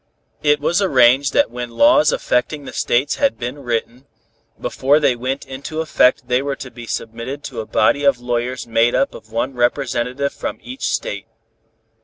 It was arranged that when laws affecting the States had been written, before they went into effect they were to be submitted to a body of lawyers made up of one representative from each State.